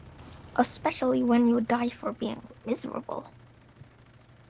Especially when you die for being miserable.